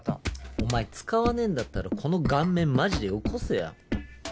お前使わねえんだったらこの顔面マジでよこせや。